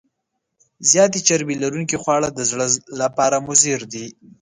زیات چربي لرونکي خواړه د زړه لپاره مضر دي.